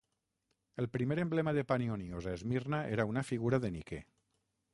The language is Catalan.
El primer emblema de Panionios a Esmirna era una figura de Niké.